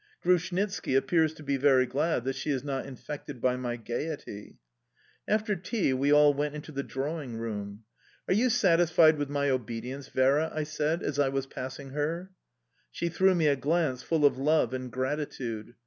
Grushnitski appears to be very glad that she is not infected by my gaiety. After tea we all went into the drawingroom. "Are you satisfied with my obedience, Vera?" I said as I was passing her. She threw me a glance full of love and gratitude.